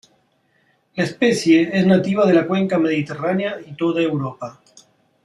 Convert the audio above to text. La especie es nativa de la Cuenca mediterránea y toda Europa.